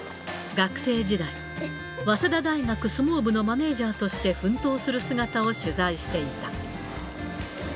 学生時代、早稲田大学相撲部のマネジャーとして奮闘する姿を取材していた。